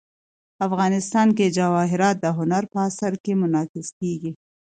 افغانستان کې جواهرات د هنر په اثار کې منعکس کېږي.